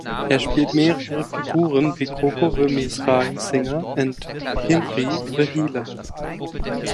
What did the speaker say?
Er spielte mehrere Figuren wie Coco the Mizrahi singer und Himri the healer.